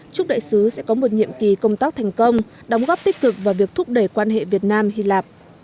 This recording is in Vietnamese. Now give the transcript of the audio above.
chúc đại sứ sẽ có một nhiệm kỳ công tác thành công đóng góp tích cực vào việc thúc đẩy quan hệ việt nam hy lạp